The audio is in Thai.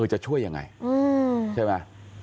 จะช่วยยังไงใช่ไหม